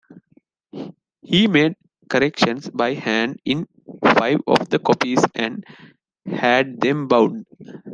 He made corrections by hand in five of the copies and had them bound.